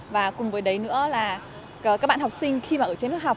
và cùng với đấy nữa là các bạn học sinh khi mà ở trên lớp học